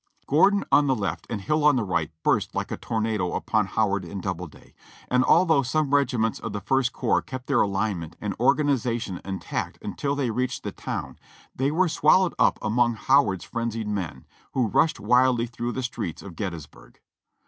Gordon on the left and Hill on the right burst like a tornado upon Howard and Doubleday, and although some regiments of the First Corps kept their alignment and organization intact until they reached the town, they were swallowed up among How ard's frenzied men. who rushed wildlv through the streets of Gettysburg.